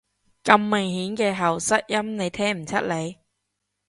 咁明顯嘅喉塞音，你聽唔出來？